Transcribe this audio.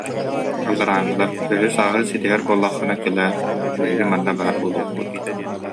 Алларааҥҥылар: «Өһү-сааһы ситиһэр буоллаххына, кэлээр, биһиги манна баар буолуохпут»